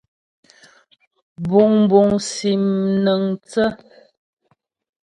Buŋbuŋ sim mnaəŋthə́.